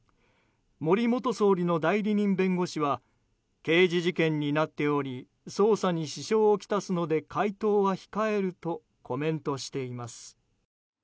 森元総理の代理人弁護士は刑事事件になっており捜査に支障を来すので回答は控えるとコメントしています。